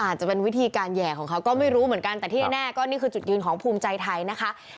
อาจจะเป็นวิธีการแห่ของเขาก็ไม่รู้เหมือนกันแต่ที่แน่ก็นี่คือจุดยืนของภูมิใจไทยนะคะ